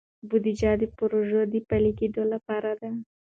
بودیجه د پروژو د پلي کیدو لپاره ده.